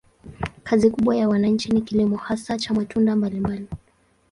Kazi kubwa ya wananchi ni kilimo, hasa cha matunda mbalimbali.